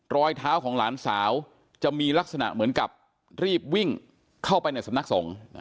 รอยเท้าของหลานสาวจะมีลักษณะเหมือนกับรีบวิ่งเข้าไปในสำนักสงฆ์